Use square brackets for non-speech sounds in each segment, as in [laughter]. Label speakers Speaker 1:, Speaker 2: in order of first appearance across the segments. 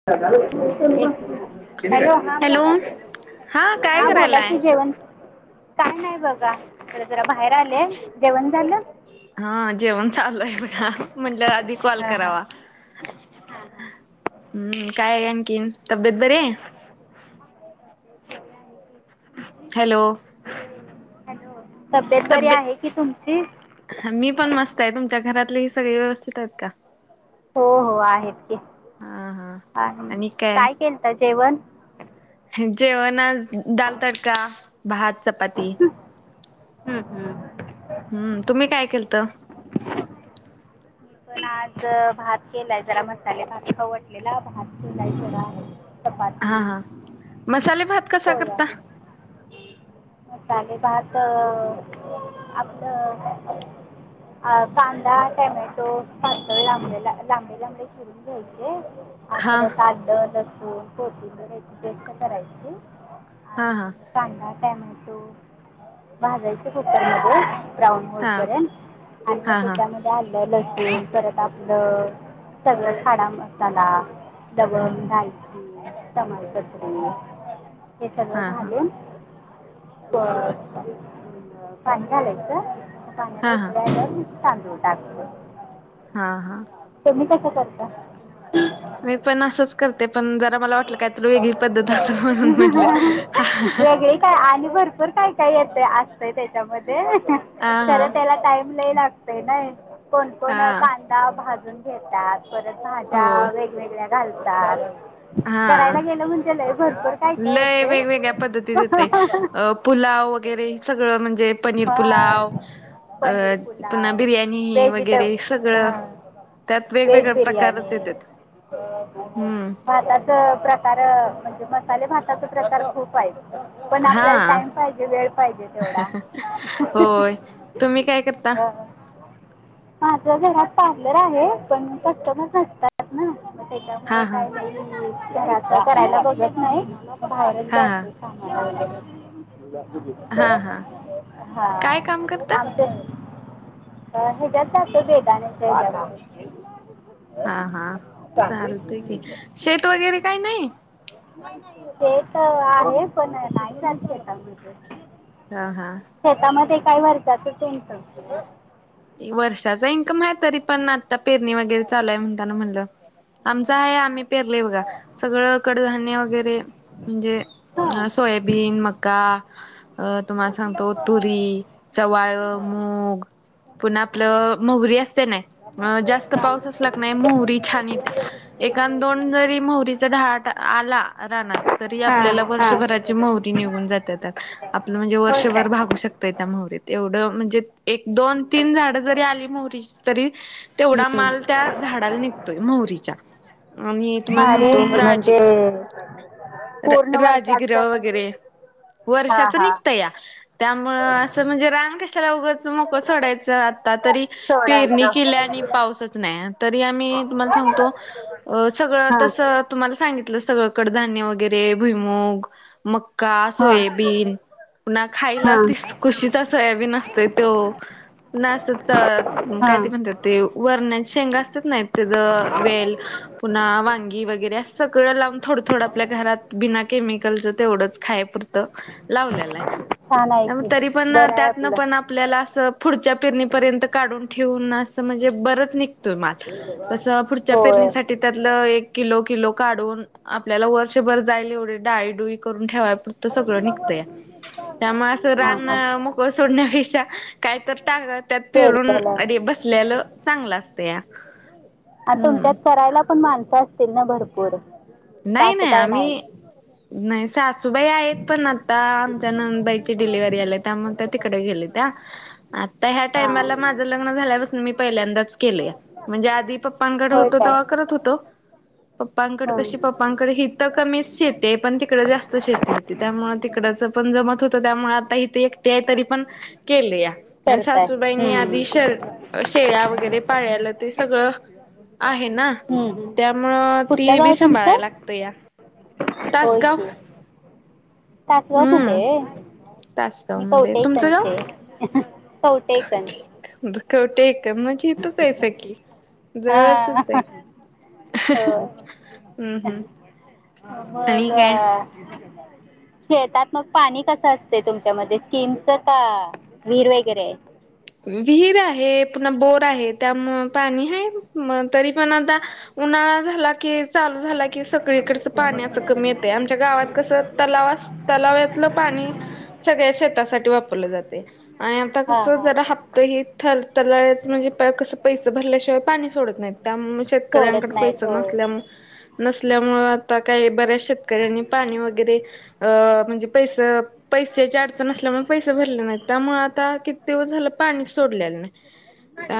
Speaker 1: [inaudible] Hello हा
Speaker 2: hello
Speaker 1: बोला की [unintelligible]
Speaker 2: काय
Speaker 1: हा बोला
Speaker 2: करायलाय
Speaker 1: कि जेवण काय नाही बघा इकड जरा बाहेर आले जेवण झालं
Speaker 2: हा जेवण चालू आहे बघा म्हंटलं आधी कॉल
Speaker 1: हां हां
Speaker 2: करावा. हम्म काय आणखीन तब्येत बरी आहे.
Speaker 1: [inaudible]
Speaker 2: हॅलो..
Speaker 1: हॅलो तब्येत बरी आहे कि तुमची
Speaker 2: हा मी पण मस्त आहे तुमच्या घरातले ही सगळे व्यवस्थित आहेत का?
Speaker 1: हो हो आहेत की
Speaker 2: हा हा
Speaker 1: आहे काय केलता जेवण?
Speaker 2: जेवण आज दाल तडका, भात, चपाती.
Speaker 1: ह, ह
Speaker 2: हम्म तुम्ही काय केलत?
Speaker 1: मी पण आज भात केलाय जरा मसाले भात खाऊ वाटलेला भात केलाय ज आहे.
Speaker 2: हा
Speaker 1: चपाती,
Speaker 2: हा मसाले भात कसा करता
Speaker 1: सोयाबीन हो [unintelligible] ले पाात आपलं आ कांदा, टोमॅटो पातळ लाब लांबडे लांबडे चिरून घ्यायचे आ
Speaker 2: हा
Speaker 1: परत आलं लसूण [unintelligible] पेस्ट करायची.
Speaker 2: हा, हा
Speaker 1: आणि कांदा टमॅटो भाजायच होत मग [unintelligible] ब्राऊन
Speaker 2: हा
Speaker 1: होले आणि मग
Speaker 2: हा हा
Speaker 1: त्याच्यामध्ये आलं लसूण परत आपलं सगळं हाडा म आला दवण घयन. टमाल करतो हे सगळं
Speaker 2: हा हा
Speaker 1: झालेलं. पण का झालाय तर काणला
Speaker 2: हा हा
Speaker 1: उपलेला मस् तु टा [unintelligible]
Speaker 2: हा हा.
Speaker 1: तुम्ही कसं करता?
Speaker 2: मी पण असंच करते पण जरा मला वाटलं काहीतरी वेगळी पद्धत असं म्हणून म्हटलं हा हा हा.
Speaker 1: वेगळी काय आणि भरपूर काय काय येते असत्य त्याच्यामध्ये हे हे
Speaker 2: हा
Speaker 1: तर त्याला टाईम ल लागतो. नाही नाही कोणकण
Speaker 2: हा
Speaker 1: कांदा भाजून घेतात परत भाज्या
Speaker 2: हो
Speaker 1: वेगवेगळ्या. घालतात
Speaker 2: हा.
Speaker 1: करायला गेलं म्हणजलाय भरपूर. काय काय
Speaker 2: लय
Speaker 1: येते
Speaker 2: वेगवेगळ्या पद्धतीत येते अ पुलाव वगैरे सगळं म्हणजे पनीर
Speaker 1: हां
Speaker 2: पुलाव अ
Speaker 1: पनीर
Speaker 2: पुन्हा
Speaker 1: पुलाव
Speaker 2: बिर्याणी
Speaker 1: व्हेजिटेब
Speaker 2: वगैरेस. सगळं
Speaker 1: हां
Speaker 2: त्यात
Speaker 1: व्हेज
Speaker 2: वेगवेगळ प्रकारचे
Speaker 1: बिर्याणी
Speaker 2: येतात हम्म.
Speaker 1: भाताच प्रकार म्हणजे मसाले भाताचा प्रकार खूप आहेत. पण
Speaker 2: हा
Speaker 1: आपल्याला टाईम पाहिजे वेळ पाहिजे तेवढा.
Speaker 2: होय तुम्ही काय करता?
Speaker 1: त्या घरात मांजर आहे पण कस्टमर असतात ना मग त्याच्यामुळ
Speaker 2: हा हा
Speaker 1: काय? घरात करायला बघत नाही बाहेरच
Speaker 2: हा
Speaker 1: जा
Speaker 2: हा
Speaker 1: असेल कामागर
Speaker 2: हा हा
Speaker 1: [unintelligible] [inaudible] हा
Speaker 2: काय काम करता?
Speaker 1: आमचे हच्यात जातो बेगानेच [unintelligible]
Speaker 2: हा हा चालतेय की शेत वगैरे काही नाही.
Speaker 1: ते तर आहे पण नाही रात.
Speaker 2: हा हा.
Speaker 1: शेतामध्ये काही वरताचं टेन्सनच.
Speaker 2: वर्षाचा इन्कम आहे तरी पण न्यात. आता पेरणी वगैरे चालूय म्हणताना म्हणलं आमचं आहे आम्ही पेरले बघा. सगळं कडधान्य वगैरे म्हणजे
Speaker 1: हां
Speaker 2: हा सोयाबीन, मका अ तुम्हाला सांगतो तुरी चवाळ मूग. पण आपलं मोहरी असते नाही जास्त
Speaker 1: हां
Speaker 2: पाऊस असला क नाही मोहरी छान येत्या. एकानं दोन जरी मोहरीचा ढाट आला रानात तरी
Speaker 1: हां
Speaker 2: आपल्याला
Speaker 1: हां
Speaker 2: वर्षभराची मोह निघुन जाते आता आप म्हेणजे
Speaker 1: हो काय
Speaker 2: वर्भर बागुश. त्या मोहरीत एवढं म्हणजे एक दोन तीन झाडं जरी आली मोहरी तरी तेवढा माल त्या झाडाला निघतोय मोहरीच्या. आणि तुम्हाला
Speaker 1: भारी आहे
Speaker 2: सांगतो
Speaker 1: की.
Speaker 2: राजे.
Speaker 1: म्हणजे पूर्ण
Speaker 2: राजगिर
Speaker 1: वर्षाचं
Speaker 2: वगैरे
Speaker 1: हां
Speaker 2: वर्षाच
Speaker 1: हां
Speaker 2: निघत या त्यामुळं असं. म्हणजे रान कशाला उगच मोकं सोडाय. आ तरी पेरणी केल्या
Speaker 1: सोडायचं
Speaker 2: आणि पाऊसच नाही तरी आम्ही तुम्हाला सांगतो. अ सगळं
Speaker 1: हां
Speaker 2: तसं तुम्हाला सांगितलं सगळकडे धान्य वगैरे भुईमूग. मका
Speaker 1: हां
Speaker 2: सोयाबीन न [unintelligible] खायला
Speaker 1: हां
Speaker 2: ति खुशीचा सोयाबीन असते तो ना असतं तर काय ते
Speaker 1: हां
Speaker 2: म्हणतात ते वरण्या शेंगा असतात ना त्याचं वेल. पुन्हा वांगी वगैरे अस सगळं लाव. थोडं थोडं आपल्या घरात बिना केमिकलचं तेवढंच खायपुरतं लावलेलं आहे.
Speaker 1: छान आहे
Speaker 2: ग
Speaker 1: की
Speaker 2: तरी पण
Speaker 1: बरं आहे
Speaker 2: त्यातन
Speaker 1: आपलं
Speaker 2: पण [unintelligible] आपल्याला असं पुढच्या पेरणीपर्यंत काढून ठेवून असं म्हणजे बरंचनीक. [inaudible] म कस पुढच्या
Speaker 1: होय
Speaker 2: पेरणीसाठी त्यातलं एक किलो किलो काढून आपल्याला वर्षभर जायला एवढे डाळी डुई करून ठेवाये पा. त सगळं निघतं या त्यामुळे असं
Speaker 1: हां हां
Speaker 2: रानं मोकळ सोडण्यापेक्षा कायतर त्यात फिरून
Speaker 1: केलेलं
Speaker 2: अरे
Speaker 1: आहे
Speaker 2: बसलेलं चांगलं असतं या.
Speaker 1: आ तुमच्यात करायला पण माणसं असतील ना भरपूर. का
Speaker 2: नाही
Speaker 1: असं
Speaker 2: नाही
Speaker 1: काय
Speaker 2: आम्ही नाही सासूबाई आहेत पण आ आता आमच्या नणंदबाईची डिलिव्हरी आलीया त्यामुळं त्या तिकडं गेले त्या. तर ह्या
Speaker 1: हां
Speaker 2: टाइमाला माझं लग्न झाल्यापासून मी पहिल्यांदाच केले म्हणजे आधी पप पनगड
Speaker 1: होय
Speaker 2: होतो
Speaker 1: काय
Speaker 2: तवा करत होतो पप्पांकडं कशी
Speaker 1: हां
Speaker 2: पप पानकडे ही तर कमीच शेती आहे पण तिकडे जास्त शेती होती त्यामुळे ते कडचं पण जमत होतं त्यामुळे आता इथे एकटे आहे तरी पण केले या
Speaker 1: करताय
Speaker 2: सासूबाईनी
Speaker 1: हम्म.
Speaker 2: आधी शर् शेळ्या वगैरे पाळलया ते सगळं आहे ना
Speaker 1: हम्म, हम्म.
Speaker 2: त्यामुळं
Speaker 1: कुठलं
Speaker 2: ती बी
Speaker 1: गाव तुमचं
Speaker 2: संभाळायला लागतेया. टास गावं
Speaker 1: टासगाव मध्ये
Speaker 2: तासगाव
Speaker 1: मी
Speaker 2: मध्ये
Speaker 1: कवटे
Speaker 2: तुमचं गाव?
Speaker 1: कणचे कवटेकण
Speaker 2: दुखवटे आहे का म्हणजे इथ चंआहे सेक्की
Speaker 1: हां
Speaker 2: जवळचच आहे.
Speaker 1: हो
Speaker 2: हम्म हम्म.
Speaker 1: हा
Speaker 2: आणि
Speaker 1: मगं
Speaker 2: काय?
Speaker 1: अ शेतात मग पाणी कसं असतंय तुमच्यामध्ये किमचा का विहीर वगैरे आहे?
Speaker 2: विहीर आहे पुन्हा बोर आहे त्यामुळे पाणी आहे म तरी पण आता उन्हाळा झाला की चालू झाला की सगळीकडच पाणी असं कमी येतंय आमच्या गावात कसं तलावस तलावातलं पाणी सगळ्या शेतासाठी वापरलं जाते आणि आता
Speaker 1: हां
Speaker 2: कसं
Speaker 1: हां
Speaker 2: जरा हप्ता ही थरथरलाच म्हणजे प कसं पैशे भरल्याशिवाय पाणी सोडत नाही त्या म
Speaker 1: सोडत
Speaker 2: शेतकऱ्यांकड पैस
Speaker 1: नाहीत
Speaker 2: नसल्यामु
Speaker 1: होय
Speaker 2: नसल्यामुळे आता काही बऱ्याच शेत कऱ्यांनी पाणी वगैरे अ म्हणजे पैसे पैशाची अडचण असल्यामुळं पैसे भरले नाहीत त्यामुळं आता तेव झालं पाणी सोडल्याले नाही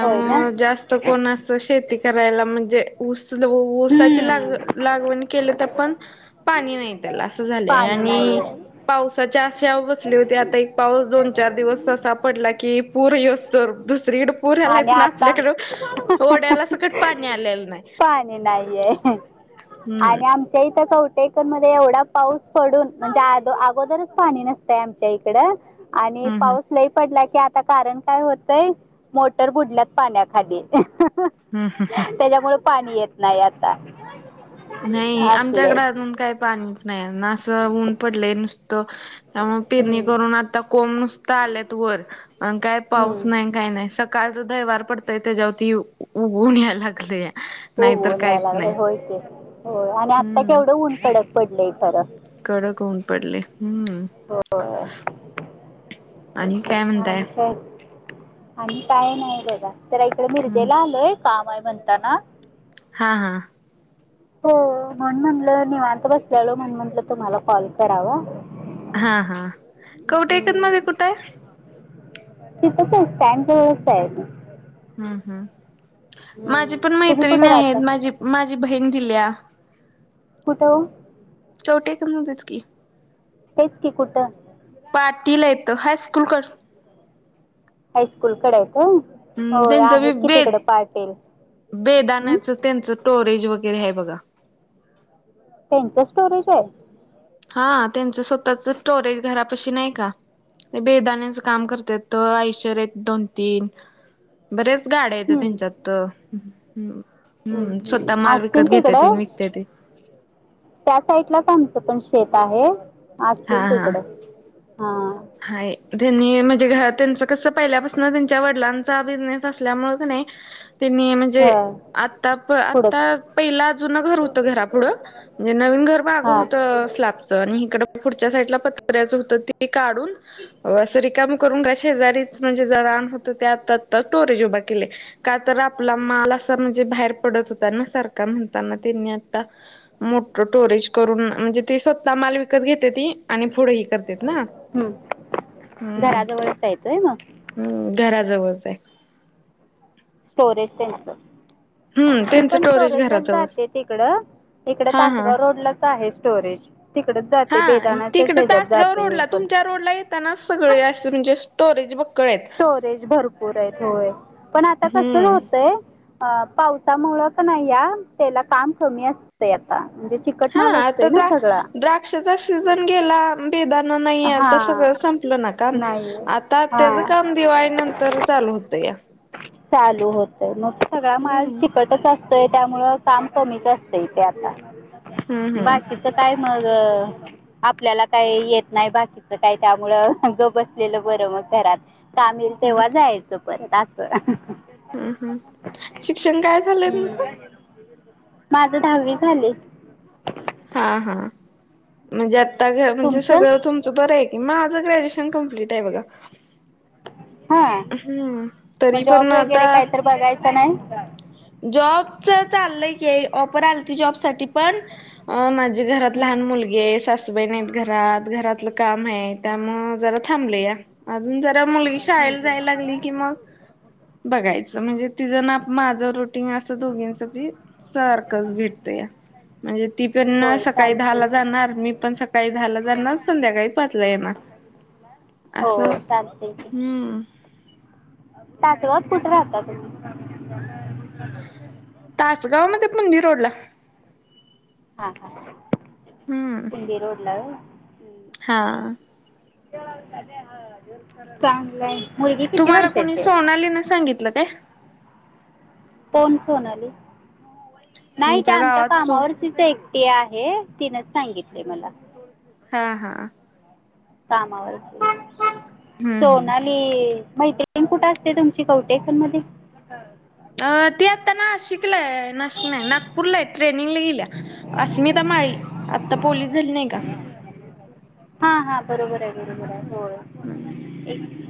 Speaker 1: होय ना
Speaker 2: जास्त कोणास शेती करायला म्हणजे उस ल उसाचाची लाग
Speaker 1: हम्म.
Speaker 2: लागवण केली तर पण पाणी नाही त्याला असं झालंय
Speaker 1: पाणी नाही
Speaker 2: आणि
Speaker 1: आहे
Speaker 2: पावसाच्या आशयावर बसली होती आता एक पाऊस दोन चार दिवस असं पडला की पूर यसर दुसरीकडं पूर
Speaker 1: आणि
Speaker 2: आल्यात ना
Speaker 1: आता
Speaker 2: आपल्याकडे ओड्याला सकट पाणी आलेलं नाही.
Speaker 1: पाणी नाहीये
Speaker 2: हम्म
Speaker 1: आणि आ इथं कवटेकर मध्ये एवढा पाऊस पडून म्हणजे आदो अगोदरच पाणी नसतय आमच्या इकडं आणि
Speaker 2: हम्म हम्म.
Speaker 1: पाऊस लय पडला की आता कारण काय होतंय मोटर बुडल्यात पाण्याखाली.
Speaker 2: हम्म हम्म
Speaker 1: त्याच्यामुळे पाणी येत नाही आता.
Speaker 2: नाही
Speaker 1: असलं आहे
Speaker 2: आमच्याकडे अजून काही पाणीच नाही ना असं ऊन पडलंय नुस तो यामुळे पिरणी
Speaker 1: हम्म,
Speaker 2: करून आता कोम नुसतं आल्यात वर आण काय
Speaker 1: हम्म.
Speaker 2: पाऊस नाही काही नाही सकाळचा दहीवार पडतय त्याच्यावरती उ ऊन या लागलेया.
Speaker 1: हो ऊन याय लागल्या होय ते होय आणि आत्ता
Speaker 2: हम्म
Speaker 1: केवढं ऊन कडक पडलंय खरं.
Speaker 2: कडक ऊन पडले हम्म
Speaker 1: होय
Speaker 2: आणि काय
Speaker 1: [unintelligible]
Speaker 2: म्हणताय
Speaker 1: आणि काय नाही बघा तर इकडे
Speaker 2: हम्म
Speaker 1: मिर्जेला आलोय. काम आहे म्हणता ना
Speaker 2: हा हा.
Speaker 1: हो म्हणून म्हटलं निवांत बसलेलो म्हण म्हटलं तुम्हाला कॉल करावा.
Speaker 2: हा हा कौटे ऐकन
Speaker 1: हम्म.
Speaker 2: मध्ये कुठं आहे?
Speaker 1: ते कसं स्टँडचा व्यवस्था आहे.
Speaker 2: हम्म हम्म
Speaker 1: हम्म.
Speaker 2: माझी पण
Speaker 1: तुम्ही
Speaker 2: मैत्रिणी
Speaker 1: कुठं
Speaker 2: आहेत
Speaker 1: राहता
Speaker 2: माझी माझी बहीण दिल्या.
Speaker 1: कुठं
Speaker 2: छोटे कमवतेच की.
Speaker 1: तेच की कुठं
Speaker 2: पाटीला येत हायस्कूलकडं.
Speaker 1: हायस्कूलकडे आहे हो
Speaker 2: त्यांचं बी
Speaker 1: आहेत कि
Speaker 2: बे
Speaker 1: तिकड पाटीलील ह.
Speaker 2: बेदाण्याचं त्यांचं टोरेज वगैरे आहे बघा.
Speaker 1: त्यांच स्टोरेज आहे.
Speaker 2: हा त्यांचं स्वतःच स्टोरेज घरापाशी नाही का? बेदाण्याच काम करतेत आयशर आहेत दोन तीन. बरेच गाड्या आहेतेत
Speaker 1: हं.
Speaker 2: त्यांच्यात हम्म
Speaker 1: हम्म हम्म.
Speaker 2: स्वतः माल
Speaker 1: असतील
Speaker 2: विकत घेतेत आणि
Speaker 1: तिकडं
Speaker 2: विकतेत.
Speaker 1: त्या साईडलाच आमतं पण शेत आहे
Speaker 2: हा
Speaker 1: असतील
Speaker 2: हा.
Speaker 1: तिकड हा.
Speaker 2: हाय त्यांनी म्हणजे घ त्यांच कसं पहिल्यापासून त्यांच्या वडिलांचा बिझनेस असल्यामुळें नाही. त्यांनी
Speaker 1: ह
Speaker 2: म्हणजे आता
Speaker 1: पुढं
Speaker 2: आता पहिला अज घर होतं घरा पुुढं. म्हणजे नवीन घर माग
Speaker 1: हां
Speaker 2: होत स्लॅपचं आणि इकड पुढच्या साईडला पत्र्याचं होतं ते काढून असं रिकम करून का शेजारीच म्हणजे ज रान होतं त्या आता टोरेज उभ केले. का तर आपला माल असा म्हणजे बाहेर पडत होता ना सारखा म्हणताना त्यांनी आता मोठ टोरेज करून म्हणजे ते स्वतः माल विकत घेतेी आणि पुढंही करते ना.
Speaker 1: हम्म
Speaker 2: हम्म
Speaker 1: घराजवळ येतोय मग
Speaker 2: हम्म घराजवळच आहे.
Speaker 1: स्टोरेज त्यांच
Speaker 2: हम्म
Speaker 1: ती
Speaker 2: त्यांचं
Speaker 1: पण स्टोरेज लाच
Speaker 2: घराजवळच
Speaker 1: जाते तिकडं इकड
Speaker 2: हा हा
Speaker 1: तासगाव रोडलाच आहे स्टोरेज तिकडेच जाते
Speaker 2: हा
Speaker 1: बेदानाच्या
Speaker 2: तिकडे
Speaker 1: साईजात
Speaker 2: तासगाव
Speaker 1: जाते मी
Speaker 2: रोडला
Speaker 1: पण
Speaker 2: तुमच्या रोड ला येतानाच सगळे अस म्हणजे स्टोरेज बघ कळेत.
Speaker 1: स्टोरेज भरपूर आहे थोय पण आता कस
Speaker 2: हम्म
Speaker 1: होतय. अ पावसामुळं क नाही या त्याला काम कमी अस आता म्हणजे चिकट माल असतोय ना सगळा.
Speaker 2: क्षाचा सीझन गेला बेदाान नाही आता सगळं
Speaker 1: हां
Speaker 2: संपलं नाका
Speaker 1: नाही
Speaker 2: आता त्याचं
Speaker 1: हां
Speaker 2: काम दिवाळी नंतर चालू होतं या.
Speaker 1: चालू होतय मग सगळा माल
Speaker 2: हम्म
Speaker 1: चिकटच असतो. ते त्यामुळं काम कमीच असतयं तेे आता
Speaker 2: हम्म हम्म
Speaker 1: बाकी काय मग आपल्याला काय येत? नाही बाकीच काय त्यामुळं गप बसलेलं बरं मग घरात काम ईल
Speaker 2: हम्म
Speaker 1: तेव्हा जायच. परता
Speaker 2: हम् हम् शिक्षण काय झालंय
Speaker 1: हम्म.
Speaker 2: तुमचं?
Speaker 1: माझं दहावी झाले.
Speaker 2: हा हा म्हणजे आता
Speaker 1: हम्म.
Speaker 2: घर म्हणजे
Speaker 1: तुमचं
Speaker 2: सगळं तुम बरं आहे की माझं ग्रॅज्युएशन कंप्लीट आहे बघा.
Speaker 1: हा
Speaker 2: हम्म तरी
Speaker 1: मग जॉब वगैरे काही तर बघायचं नाही.
Speaker 2: जॉब चालय र जॉब साठी पण मा घरात
Speaker 1: हम्म.
Speaker 2: लहान मुलगी आहे सासू ते घरात घरातलं काम आहे त्यामुळं जरा थांबलंया. अजून जरा मुलगी
Speaker 1: हम्म,
Speaker 2: शाळेला जाय
Speaker 1: हम्म.
Speaker 2: लागली की मग बघायचं म्हणजे
Speaker 1: हम्म.
Speaker 2: तिझं नाप माझं रोटींग असं दोघींचं बी सारखंच भेटत या म्हणजे ती पण
Speaker 1: होय
Speaker 2: सकाळी
Speaker 1: चालते
Speaker 2: दहाला
Speaker 1: की
Speaker 2: जा. णार मी पण सकाळी दहाला जाणार संध्याकाळी पाचला येणार. आस
Speaker 1: होय चालते
Speaker 2: हम्म.
Speaker 1: सातव्यात कुठं राहता तुम्ही?
Speaker 2: तासगाव मध्ये पुनी रोड ला
Speaker 1: हा हा
Speaker 2: हम्म
Speaker 1: सिंदी रोडलाय वय हं.
Speaker 2: हा.
Speaker 1: चांगलंय.
Speaker 2: तुम्हाला कोणी सोनाली न सांगितलं काय?
Speaker 1: कोन सोनली नाही ते
Speaker 2: तुमच्या
Speaker 1: आमच्या
Speaker 2: गावात सो
Speaker 1: कामावरच्या तिच एकटी आहे तिनच सांगितलय मला.
Speaker 2: हा हा.
Speaker 1: कामावरची
Speaker 2: हम्म हम्म
Speaker 1: सोना ती मैत्रिण कुठे असते तुमची कवठीएकन्द मध्ये? [unintelligible]
Speaker 2: अ ती आता नाशिकलाय नाशिक नाही नागपूरलाय आहे ट्रेनिंगला गेलिया. अस्मिता माळी आत्ता पोलीस झाली नाही का?
Speaker 1: हा हा बरोबर आहे बरोबर
Speaker 2: हम्म
Speaker 1: आहे हो.